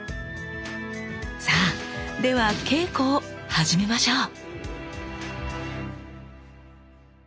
さあでは稽古を始めましょう！